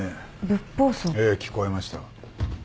ええ聞こえました。